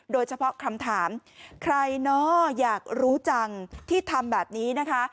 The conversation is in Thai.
โดยเฉพาะคำถามใครเนาะอยากรู้จังที่ทำแบบนี้นะคะ